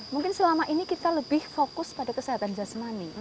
mungkin selama ini kita lebih fokus pada kesehatan jasmani